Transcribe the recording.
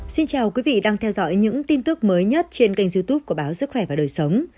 xin chào quý vị đang theo dõi những tin tức mới nhất trên kênh youtube của báo sức khỏe và đời sống